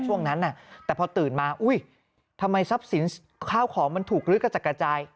ช่วงนั้นแต่พอตื่นมาอุ้ยทำไมทรัพย์สินข้าวของมันถูกลื้อกระจัดกระจาย